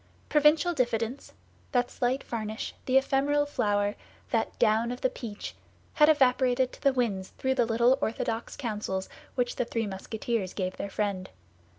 Provincial diffidence, that slight varnish, the ephemeral flower, that down of the peach, had evaporated to the winds through the little orthodox counsels which the three Musketeers gave their friend.